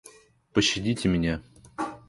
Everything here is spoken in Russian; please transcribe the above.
Пощадите меня!